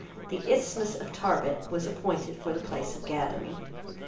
The isthmus of Tarbet was appointed for the place of gathering.